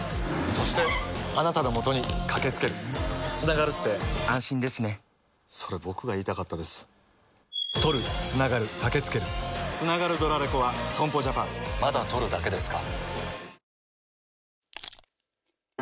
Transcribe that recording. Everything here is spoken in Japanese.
そして、あなたのもとにかけつけるつながるって安心ですねそれ、僕が言いたかったですつながるドラレコは損保ジャパンまだ録るだけですか？